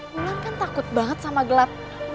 bulan kan takut banget sama gelap